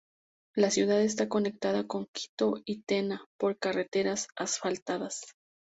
La ciudad está conectada con Quito y Tena por carreteras asfaltadas.